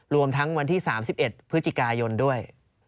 รวมทั้งวันที่๓๑พฤศจิกายนด้วย